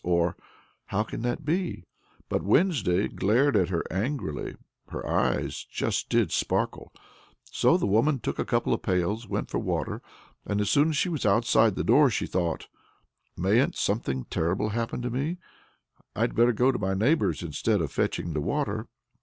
(or, "How can that be?") but Wednesday glared at her angrily; her eyes just did sparkle! So the woman took a couple of pails and went for water. As soon as she was outside the door she thought: "Mayn't something terrible happen to me? I'd better go to my neighbor's instead of fetching the water."